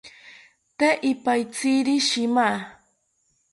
Tee ipaitziri shima